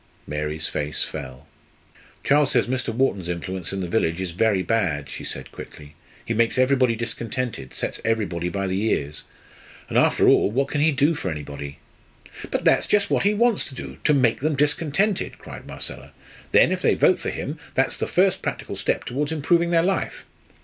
Mary's face fell. "Charles says Mr. Wharton's influence in the village is very bad," she said quickly. "He makes everybody discontented; sets everybody by the ears; and, after all, what can he do for anybody?" "But that's just what he wants to do to make them discontented," cried Marcella. "Then, if they vote for him, that's the first practical step towards improving their life."